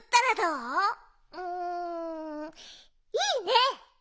うんいいね！